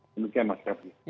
terima kasih mas kepri